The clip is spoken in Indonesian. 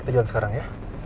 kita jalan sekarang ya